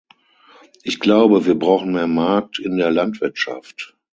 Ich glaube, wir brauchen mehr Markt in der Landwirtschaft.